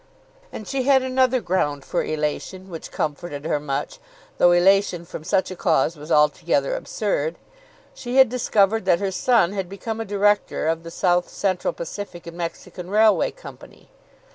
And she had another ground for elation, which comforted her much, though elation from such a cause was altogether absurd. She had discovered that her son had become a Director of the South Central Pacific and Mexican Railway Company.